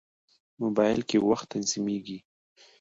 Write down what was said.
موبایل کې وخت تنظیمېږي.